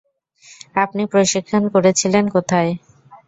আপনি প্রশিক্ষণ করেছিলেন কোথায়?